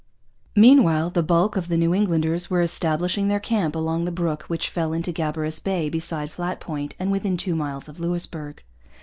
Meanwhile the bulk of the New Englanders were establishing their camp along the brook which fell into Gabarus Bay beside Flat Point and within two miles of Louisbourg.